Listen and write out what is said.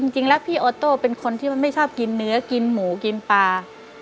จริงแล้วพี่โอโต้เป็นคนที่ไม่ชอบกินเนื้อกินหมูกินปลา